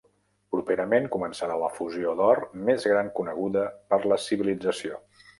Properament començarà l'efusió d'or més gran coneguda per la civilització.